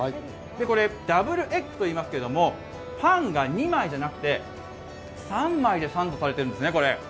ダブルエッグといいますけれども、パンが２枚ではなくて、３枚でサンドされているんですね。